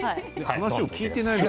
話を聞いていないのよ。